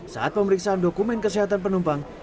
saat pemeriksaan dokumen kesehatan penumpang